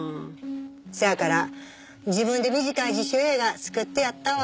せやから自分で短い自主映画作ってやったわ。